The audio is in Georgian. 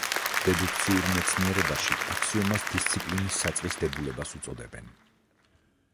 დედუქციურ მეცნიერებაში აქსიომას დისციპლინის საწყის დებულებას უწოდებენ.